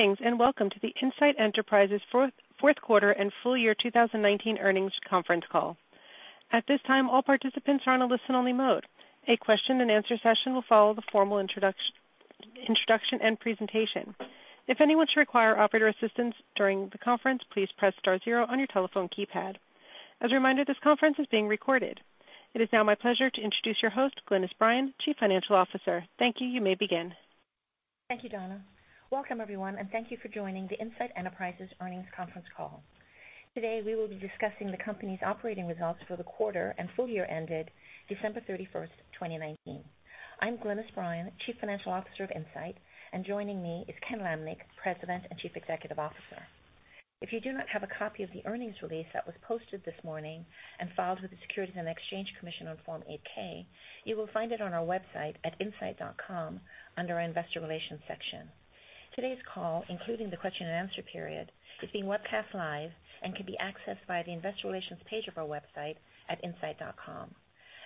Greetings, and welcome to the Insight Enterprises fourth quarter and full-year 2019 earnings conference call. At this time, all participants are in a listen-only mode. A question and answer session will follow the formal introduction and presentation. If anyone should require operator assistance during the conference, please press star zero on your telephone keypad. As a reminder, this conference is being recorded. It is now my pleasure to introduce your host, Glynis Bryan, Chief Financial Officer. Thank you. You may begin. Thank you, Donna. Welcome everyone, and thank you for joining the Insight Enterprises earnings conference call. Today, we will be discussing the company's operating results for the quarter and full-year ended December 31st 2019. I'm Glynis Bryan, Chief Financial Officer of Insight, and joining me is Ken Lamneck, President and Chief Executive Officer. If you do not have a copy of the earnings release that was posted this morning and filed with the Securities and Exchange Commission on Form 8-K, you will find it on our website at insight.com under our investor relations section. Today's call, including the question and answer period, is being webcast live and can be accessed via the investor relations page of our website at insight.com.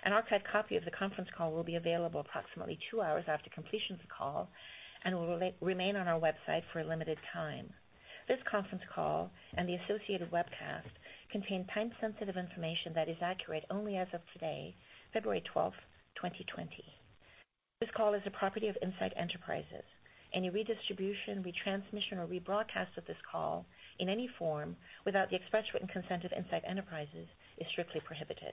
An archive copy of the conference call will be available approximately two hours after completion of the call and will remain on our website for a limited time. This conference call and the associated webcast contain time-sensitive information that is accurate only as of today, February 12th, 2020. This call is a property of Insight Enterprises. Any redistribution, retransmission, or rebroadcast of this call in any form without the express written consent of Insight Enterprises is strictly prohibited.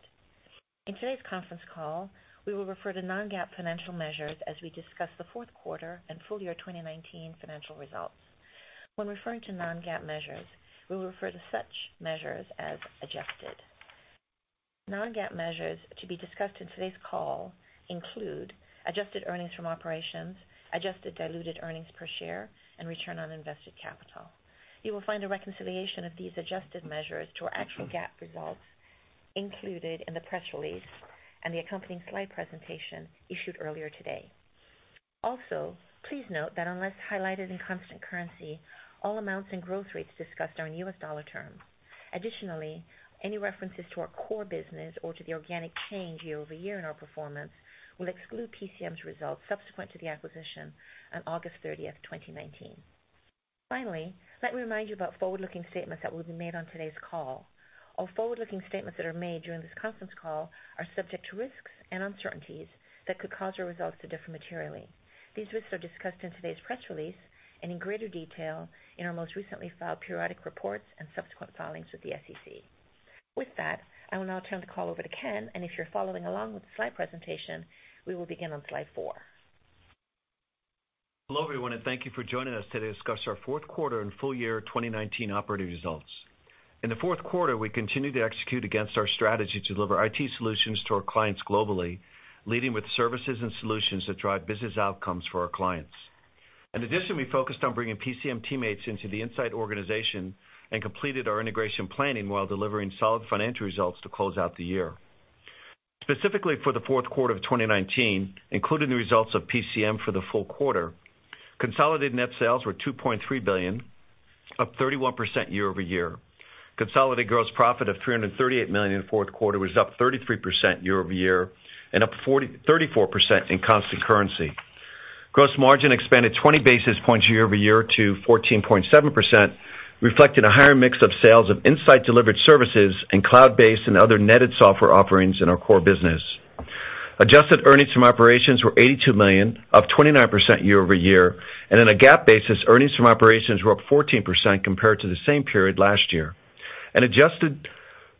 In today's conference call, we will refer to non-GAAP financial measures as we discuss the fourth quarter and full-year 2019 financial results. When referring to non-GAAP measures, we will refer to such measures as adjusted. Non-GAAP measures to be discussed in today's call include adjusted earnings from operations, adjusted diluted earnings per share, and return on invested capital. You will find a reconciliation of these adjusted measures to our actual GAAP results included in the press release and the accompanying slide presentation issued earlier today. Also, please note that unless highlighted in constant currency, all amounts and growth rates discussed are in US dollar terms. Additionally, any references to our core business or to the organic change year-over-year in our performance will exclude PCM's results subsequent to the acquisition on August 30th, 2019. Finally, let me remind you about forward-looking statements that will be made on today's call. All forward-looking statements that are made during this conference call are subject to risks and uncertainties that could cause our results to differ materially. These risks are discussed in today's press release and in greater detail in our most recently filed periodic reports and subsequent filings with the SEC. With that, I will now turn the call over to Ken, and if you're following along with the slide presentation, we will begin on Slide four. Hello, everyone, and thank you for joining us today to discuss our fourth quarter and full-year 2019 operating results. In the fourth quarter, we continued to execute against our strategy to deliver IT solutions to our clients globally, leading with services and solutions that drive business outcomes for our clients. In addition, we focused on bringing PCM teammates into the Insight organization and completed our integration planning while delivering solid financial results to close out the year. Specifically for the fourth quarter of 2019, including the results of PCM for the full quarter, consolidated net sales were $2.3 billion, up 31% year-over-year. Consolidated gross profit of $338 million in the fourth quarter was up 33% year-over-year and up 34% in constant currency. Gross margin expanded 20 basis points year-over-year to 14.7%, reflecting a higher mix of sales of Insight-delivered services and cloud-based and other netted software offerings in our core business. Adjusted earnings from operations were $82 million, up 29% year-over-year, and on a GAAP basis, earnings from operations were up 14% compared to the same period last year. Adjusted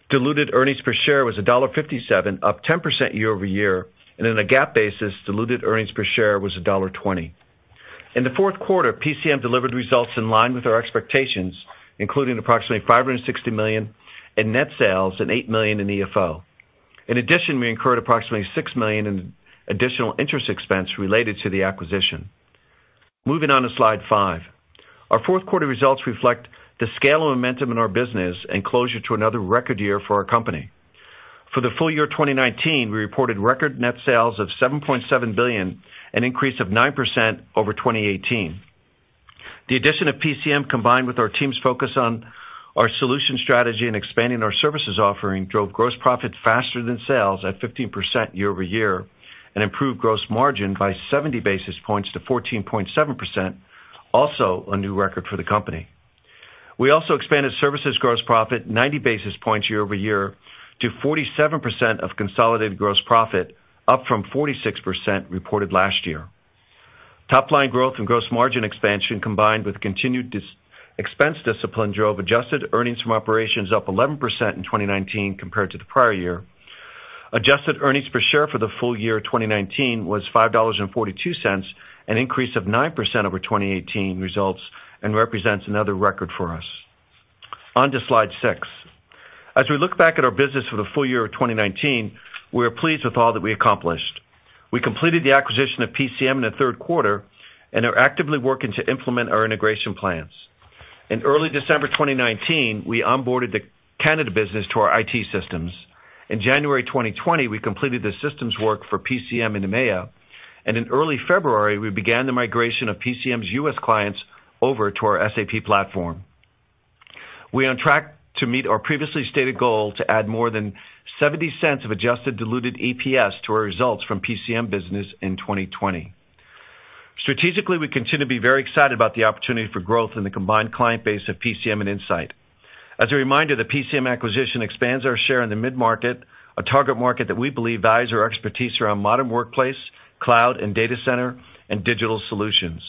diluted earnings per share was $1.57, up 10% year-over-year, and on a GAAP basis, diluted earnings per share was $1.20. In the fourth quarter, PCM delivered results in line with our expectations, including approximately $560 million in net sales and $8 million in EFO. In addition, we incurred approximately $6 million in additional interest expense related to the acquisition. Moving on to Slide five. Our fourth quarter results reflect the scale and momentum in our business and closure to another record year for our company. For the full-year 2019, we reported record net sales of $7.7 billion, an increase of 9% over 2018. The addition of PCM combined with our team's focus on our solution strategy and expanding our services offering drove gross profits faster than sales at 15% year-over-year and improved gross margin by 70 basis points to 14.7%, also a new record for the company. We also expanded services gross profit 90 basis points year-over-year to 47% of consolidated gross profit, up from 46% reported last year. Topline growth and gross margin expansion, combined with continued expense discipline, drove adjusted earnings from operations up 11% in 2019 compared to the prior year. Adjusted earnings per share for the full-year 2019 was $5.42, an increase of 9% over 2018 results and represents another record for us. On to Slide six. As we look back at our business for the full-year of 2019, we are pleased with all that we accomplished. We completed the acquisition of PCM in the third quarter and are actively working to implement our integration plans. In early December 2019, we onboarded the Canada business to our IT systems. In January 2020, we completed the systems work for PCM in EMEA, and in early February, we began the migration of PCM's U.S. clients over to our SAP platform. We are on track to meet our previously stated goal to add more than $0.70 of adjusted diluted EPS to our results from PCM business in 2020. Strategically, we continue to be very excited about the opportunity for growth in the combined client base of PCM and Insight. As a reminder, the PCM acquisition expands our share in the mid-market, a target market that we believe values our expertise around modern workplace, cloud and data center, and digital solutions.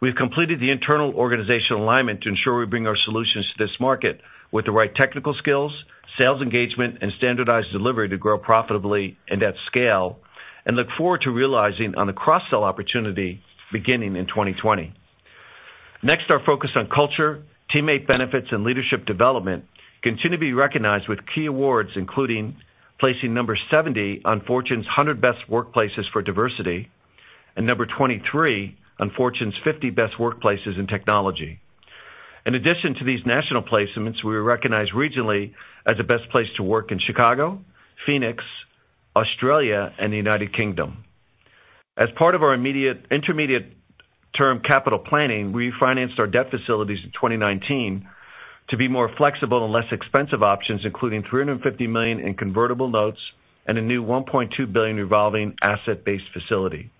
We've completed the internal organizational alignment to ensure we bring our solutions to this market with the right technical skills, sales engagement, and standardized delivery to grow profitably and at scale, and look forward to realizing on the cross-sell opportunity beginning in 2020. Next, our focus on culture, teammate benefits, and leadership development continue to be recognized with key awards, including placing number 70 on Fortune's 100 Best Workplaces for Diversity, and number 23 on Fortune's 50 Best Workplaces in Technology. In addition to these national placements, we were recognized regionally as a best place to work in Chicago, Phoenix, Australia, and the United Kingdom. As part of our intermediate term capital planning, we financed our debt facilities in 2019 to be more flexible and less expensive options, including $350 million in convertible notes and a new $1.2 billion revolving asset-based facility.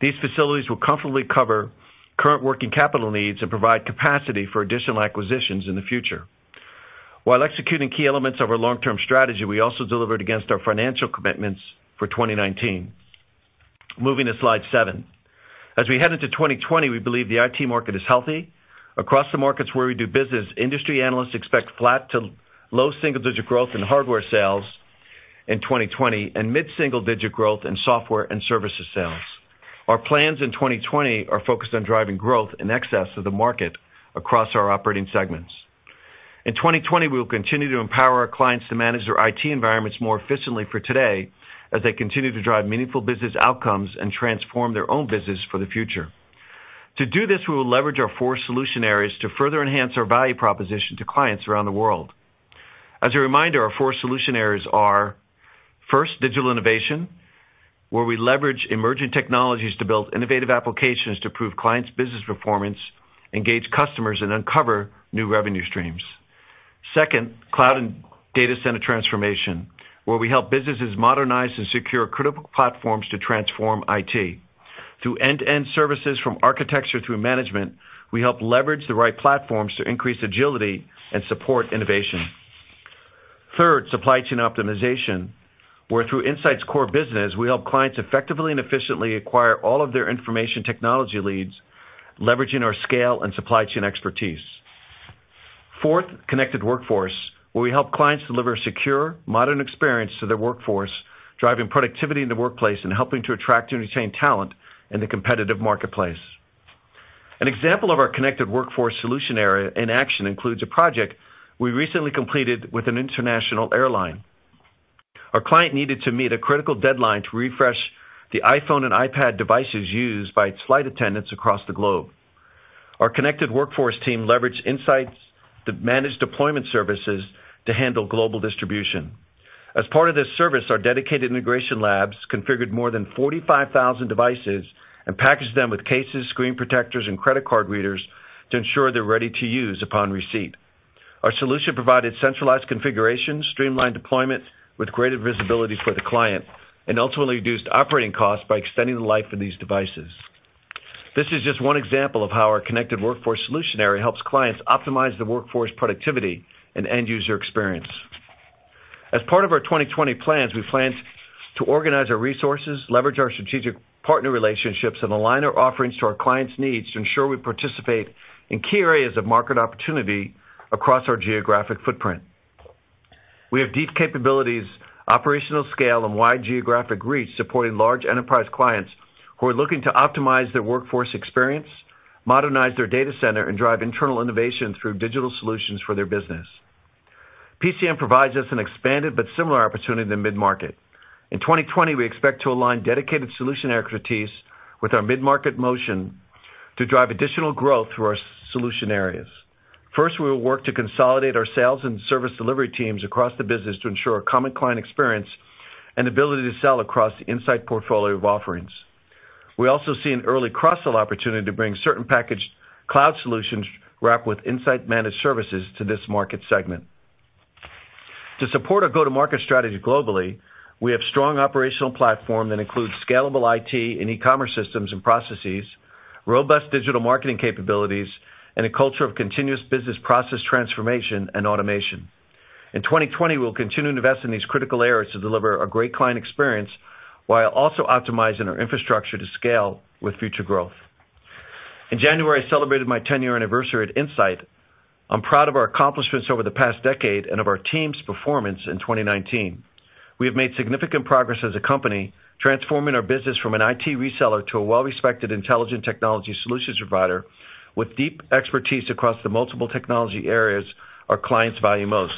These facilities will comfortably cover current working capital needs and provide capacity for additional acquisitions in the future. While executing key elements of our long-term strategy, we also delivered against our financial commitments for 2019. Moving to Slide seven. As we head into 2020, we believe the IT market is healthy. Across the markets where we do business, industry analysts expect flat to low single-digit growth in hardware sales in 2020 and mid-single digit growth in software and services sales. Our plans in 2020 are focused on driving growth in excess of the market across our operating segments. In 2020, we will continue to empower our clients to manage their IT environments more efficiently for today as they continue to drive meaningful business outcomes and transform their own business for the future. To do this, we will leverage our four solution areas to further enhance our value proposition to clients around the world. As a reminder, our four solution areas are, first, Digital Innovation, where we leverage emerging technologies to build innovative applications to improve clients' business performance, engage customers, and uncover new revenue streams. Second, Cloud and Data Center Transformation, where we help businesses modernize and secure critical platforms to transform IT. Through end-to-end services from architecture through management, we help leverage the right platforms to increase agility and support innovation. Third, supply chain optimization, where through Insight's core business, we help clients effectively and efficiently acquire all of their information technology needs, leveraging our scale and supply chain expertise. Fourth, Connected Workforce, where we help clients deliver secure, modern experience to their workforce, driving productivity in the workplace and helping to attract and retain talent in the competitive marketplace. An example of our Connected Workforce solution area in action includes a project we recently completed with an international airline. Our client needed to meet a critical deadline to refresh the iPhone and iPad devices used by its flight attendants across the globe. Our Connected Workforce team leveraged Insight's managed deployment services to handle global distribution. As part of this service, our dedicated integration labs configured more than 45,000 devices and packaged them with cases, screen protectors, and credit card readers to ensure they're ready to use upon receipt. Our solution provided centralized configurations, streamlined deployment with greater visibility for the client, and ultimately reduced operating costs by extending the life of these devices. This is just one example of how our connected workforce solution area helps clients optimize their workforce productivity and end user experience. As part of our 2020 plans, we plan to organize our resources, leverage our strategic partner relationships, and align our offerings to our clients' needs to ensure we participate in key areas of market opportunity across our geographic footprint. We have deep capabilities, operational scale, and wide geographic reach supporting large enterprise clients who are looking to optimize their workforce experience, modernize their data center, and drive internal innovation through digital solutions for their business. PCM provides us an expanded but similar opportunity in the mid-market. In 2020, we expect to align dedicated solution expertise with our mid-market motion to drive additional growth through our solution areas. First, we will work to consolidate our sales and service delivery teams across the business to ensure a common client experience and ability to sell across the Insight portfolio of offerings. We also see an early cross-sell opportunity to bring certain packaged cloud solutions wrapped with Insight managed services to this market segment. To support our go-to-market strategy globally, we have strong operational platform that includes scalable IT and e-commerce systems and processes, robust digital marketing capabilities, and a culture of continuous business process transformation and automation. In 2020, we'll continue to invest in these critical areas to deliver a great client experience while also optimizing our infrastructure to scale with future growth. In January, I celebrated my 10-year anniversary at Insight. I'm proud of our accomplishments over the past decade and of our team's performance in 2019. We have made significant progress as a company, transforming our business from an IT reseller to a well-respected intelligent technology solutions provider with deep expertise across the multiple technology areas our clients value most.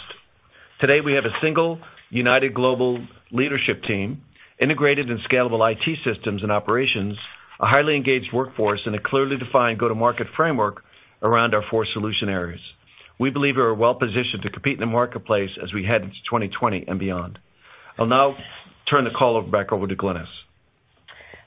Today, we have a single united global leadership team, integrated and scalable IT systems and operations, a highly engaged workforce, and a clearly defined go-to-market framework around our four solution areas. We believe we are well-positioned to compete in the marketplace as we head into 2020 and beyond. I'll now turn the call back over to Glynis.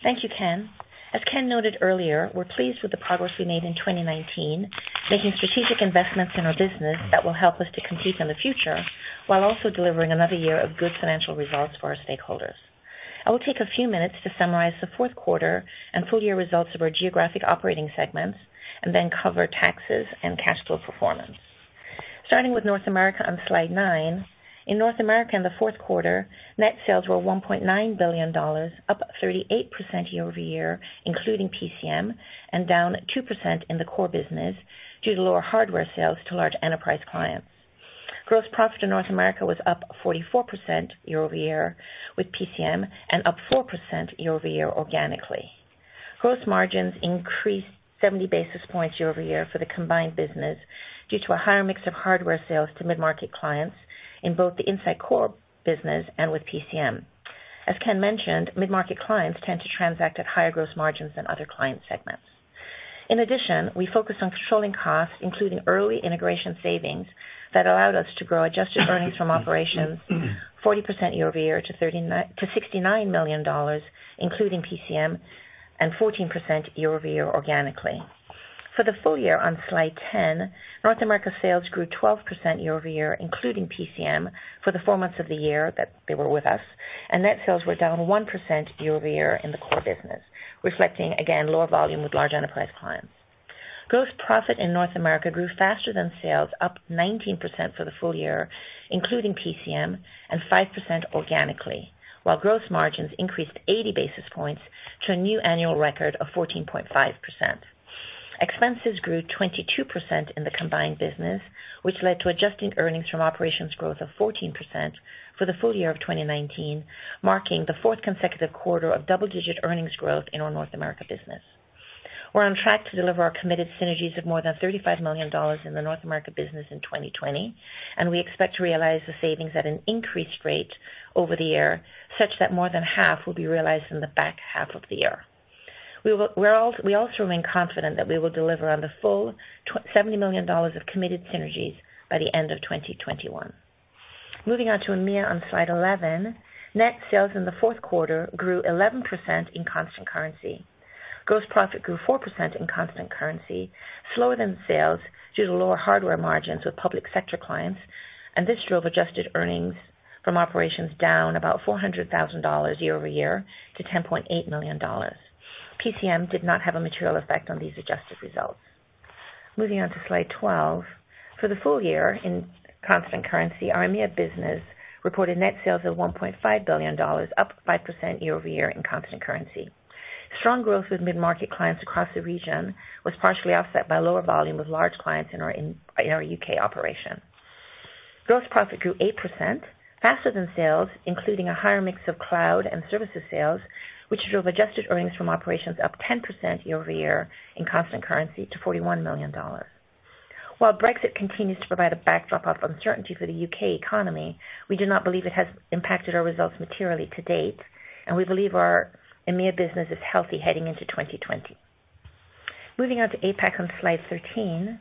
Thank you, Ken. As Ken noted earlier, we're pleased with the progress we made in 2019, making strategic investments in our business that will help us to compete in the future, while also delivering another year of good financial results for our stakeholders. I will take a few minutes to summarize the fourth quarter and full-year results of our geographic operating segments, and then cover taxes and cash flow performance. Starting with North America on Slide nine. In North America, in the fourth quarter, net sales were $1.9 billion, up 38% year-over-year, including PCM, and down 2% in the core business due to lower hardware sales to large enterprise clients. Gross profit in North America was up 44% year-over-year with PCM and up 4% year-over-year organically. Gross margins increased 70 basis points year-over-year for the combined business due to a higher mix of hardware sales to mid-market clients in both the Insight core business and with PCM. As Ken mentioned, mid-market clients tend to transact at higher gross margins than other client segments. In addition, we focused on controlling costs, including early integration savings that allowed us to grow adjusted earnings from operations 40% year-over-year to $69 million, including PCM, and 14% year-over-year organically. For the full-year on Slide 10, North America sales grew 14% year-over-year, including PCM for the four months of the year that they were with us, and net sales were down 1% year-over-year in the core business, reflecting again lower volume with large enterprise clients. Gross profit in North America grew faster than sales, up 19% for the full-year, including PCM, and 5% organically, while gross margins increased 80 basis points to a new annual record of 14.5%. Expenses grew 22% in the combined business, which led to adjusted earnings from operations growth of 14% for the full-year of 2019, marking the fourth consecutive quarter of double-digit earnings growth in our North America business. We're on track to deliver our committed synergies of more than $35 million in the North America business in 2020, and we expect to realize the savings at an increased rate over the year, such that more than half will be realized in the back half of the year. We also remain confident that we will deliver on the full $70 million of committed synergies by the end of 2021. Moving on to EMEA on Slide 11. Net sales in the fourth quarter grew 11% in constant currency. This drove adjusted earnings from operations down about $400,000 year-over-year to $10.8 million. PCM did not have a material effect on these adjusted results. Moving on to Slide 12. For the full-year in constant currency, our EMEA business reported net sales of $1.5 billion, up 5% year-over-year in constant currency. Strong growth with mid-market clients across the region was partially offset by lower volume with large clients in our U.K. operation. Gross profit grew 8%, faster than sales, including a higher mix of cloud and services sales, which drove adjusted earnings from operations up 10% year-over-year in constant currency to $41 million. While Brexit continues to provide a backdrop of uncertainty for the U.K. economy, we do not believe it has impacted our results materially to date, and we believe our EMEA business is healthy heading into 2020. Moving on to APAC on Slide 13.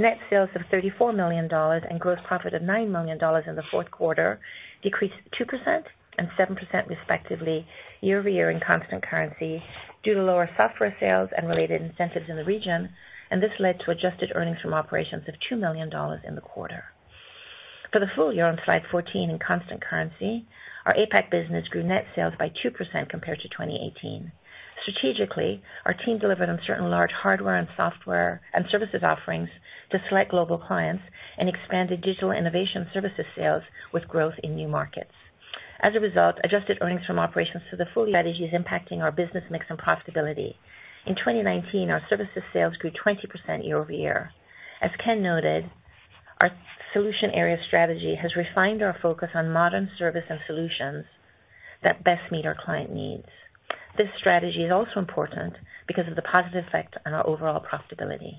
Net sales of $34 million and gross profit of $9 million in the fourth quarter decreased 2% and 7% respectively year-over-year in constant currency due to lower software sales and related incentives in the region, and this led to adjusted earnings from operations of $2 million in the quarter. For the full-year on Slide 14 in constant currency, our APAC business grew net sales by 2% compared to 2018. Strategically, our team delivered on certain large hardware and software and services offerings to select global clients and expanded digital innovation services sales with growth in new markets. Strategy is impacting our business mix and profitability. In 2019, our services sales grew 20% year-over-year. As Ken noted, our solution area strategy has refined our focus on modern service and solutions that best meet our client needs. This strategy is also important because of the positive effect on our overall profitability.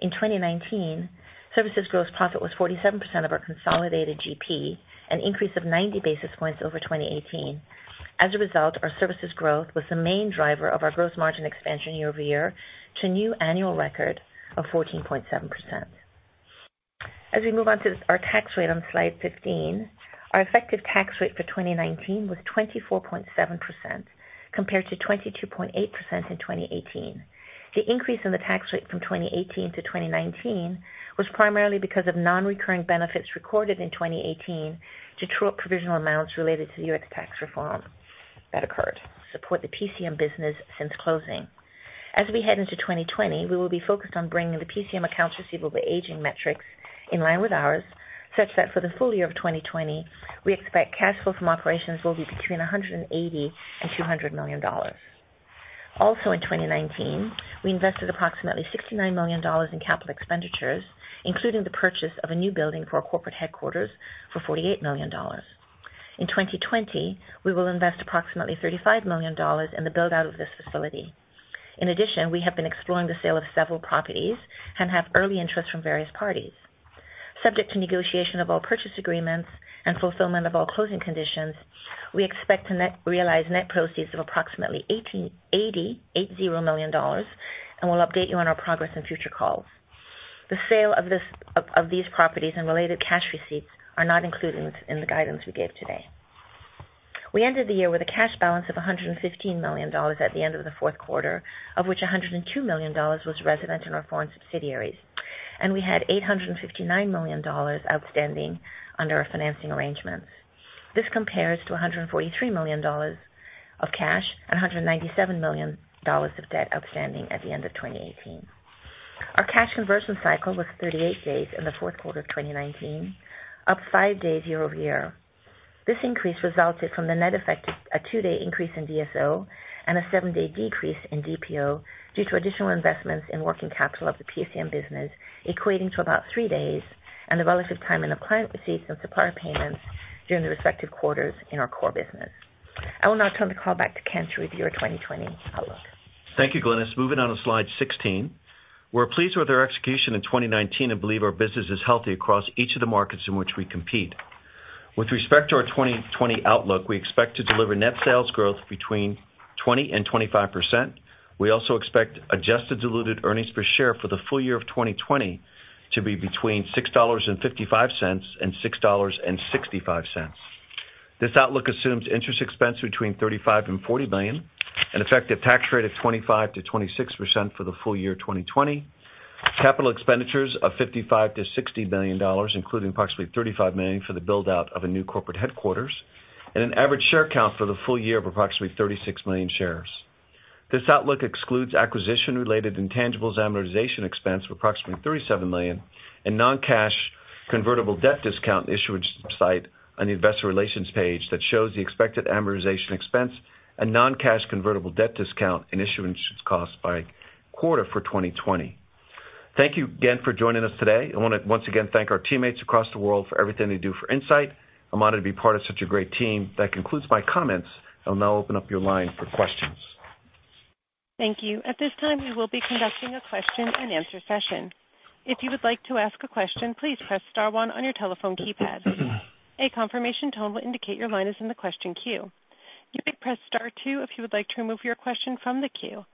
In 2019, services gross profit was 47% of our consolidated GP, an increase of 90 basis points over 2018. As a result, our services growth was the main driver of our gross margin expansion year-over-year to a new annual record of 14.7%. As we move on to our tax rate on Slide 15, our effective tax rate for 2019 was 24.7% compared to 22.8% in 2018. The increase in the tax rate from 2018-2019 was primarily because of non-recurring benefits recorded in 2018 to provisional amounts related to the U.S. tax reform that occurred. Support the PCM business since closing. As we head into 2020, we will be focused on bringing the PCM accounts receivable de-aging metrics in line with ours, such that for the full-year of 2020, we expect cash flow from operations will be between $180 million and $200 million. In 2019, we invested approximately $69 million in capital expenditures, including the purchase of a new building for our corporate headquarters for $48 million. In 2020, we will invest approximately $35 million in the build-out of this facility. In addition, we have been exploring the sale of several properties and have early interest from various parties. Subject to negotiation of all purchase agreements and fulfillment of all closing conditions, we expect to realize net proceeds of approximately $80 million, and we'll update you on our progress in future calls. The sale of these properties and related cash receipts are not included in the guidance we gave today. We ended the year with a cash balance of $115 million at the end of the fourth quarter, of which $102 million was resident in our foreign subsidiaries, and we had $859 million outstanding under our financing arrangements. This compares to $143 million of cash and $197 million of debt outstanding at the end of 2018. Our cash conversion cycle was 38 days in the fourth quarter of 2019, up five days year-over-year. This increase resulted from the net effect of a two-day increase in DSO and a seven-day decrease in DPO due to additional investments in working capital of the PCM business, equating to about 3 days, and the relative timing of client receipts and supplier payments during the respective quarters in our core business. I will now turn the call back to Ken to review our 2020 outlook. Thank you, Glynis. Moving on to Slide 16. We're pleased with our execution in 2019 and believe our business is healthy across each of the markets in which we compete. With respect to our 2020 outlook, we expect to deliver net sales growth between 20% and 25%. We also expect adjusted diluted earnings per share for the full-year of 2020 to be between $6.55 and $6.65. This outlook assumes interest expense between $35 and $40 million, an effective tax rate of 25%-26% for the full-year 2020, capital expenditures of $55 million-$60 million, including approximately $35 million for the build-out of a new corporate headquarters, and an average share count for the full-year of approximately 36 million shares. This outlook excludes acquisition-related intangibles amortization expense of approximately $37 million and non-cash convertible debt discount issuance costs on the investor relations page that shows the expected amortization expense and non-cash convertible debt discount and issuance costs by quarter for 2020. Thank you again for joining us today. I want to once again thank our teammates across the world for everything they do for Insight. I'm honored to be part of such a great team. That concludes my comments. I'll now open up your line for questions. Thank you. At this time, we will be conducting a question-and-answer session. If you would like to ask a question, please press star one on your telephone keypad. A confirmation tone will indicate your line is in the question queue. You may press star two if you would like to remove your question from the queue.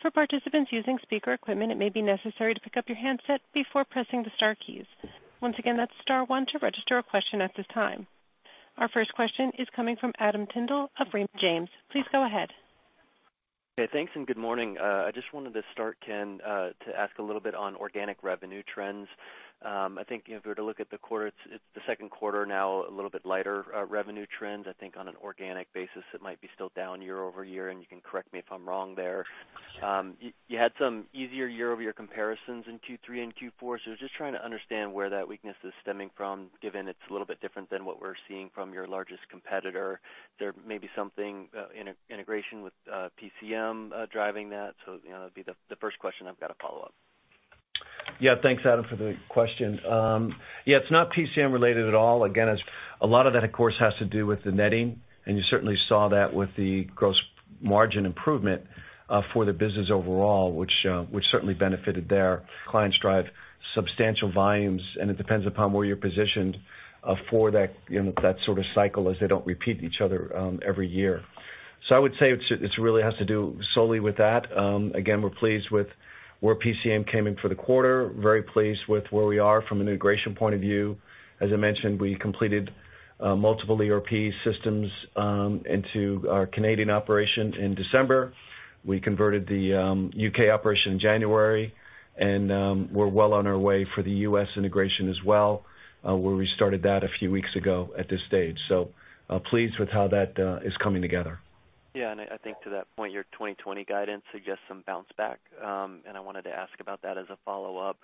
For participants using speaker equipment, it may be necessary to pick up your handset before pressing the star keys. Once again, that's star one to register a question at this time. Our first question is coming from Adam Tindle of Raymond James. Please go ahead. Okay, thanks and good morning. I just wanted to start, Ken, to ask a little bit on organic revenue trends. I think if we were to look at the quarter, it's the second quarter now, a little bit lighter revenue trends. I think on an organic basis, it might be still down year-over-year, and you can correct me if I'm wrong there. You had some easier year-over-year comparisons in Q3 and Q4, so I was just trying to understand where that weakness is stemming from, given it's a little bit different than what we're seeing from your largest competitor. There may be something in integration with PCM driving that. That'd be the first question. I've got a follow-up. Thanks, Adam, for the question. It's not PCM related at all. A lot of that, of course, has to do with the netting, and you certainly saw that with the gross margin improvement for the business overall, which certainly benefited there. Clients drive substantial volumes, and it depends upon where you're positioned for that sort of cycle, as they don't repeat each other every year. I would say it really has to do solely with that. We're pleased with where PCM came in for the quarter. Very pleased with where we are from an integration point of view. As I mentioned, we completed multiple ERP systems into our Canadian operation in December. We converted the U.K. operation in January, and we're well on our way for the U.S. integration as well, where we started that a few weeks ago at this stage. Pleased with how that is coming together. Yeah, and I think to that point, your 2020 guidance suggests some bounce back, and I wanted to ask about that as a follow-up.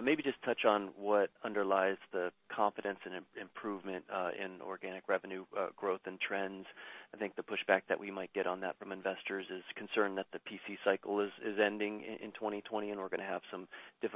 Maybe just touch on what underlies the confidence and improvement in organic revenue growth and trends. I think the pushback that we might get on that from investors is concern that the PC cycle is ending in 2020, and we're going to have some difficult